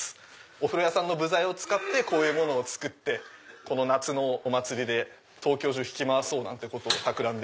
お風呂屋さんの部材を使ってこういうものを作ってこの夏のお祭りで東京中引き回そうとたくらんで。